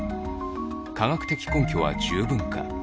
「科学的根拠は十分か」